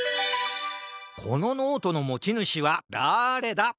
このノートのもちぬしはだれだ？